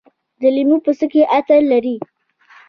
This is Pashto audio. د لیمو پوستکي عطر لري.